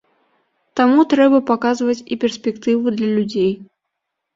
Таму трэба паказваць і перспектыву для людзей.